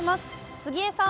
杉江さん。